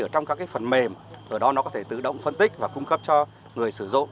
ở trong các cái phần mềm ở đó nó có thể tự động phân tích và cung cấp cho người sử dụng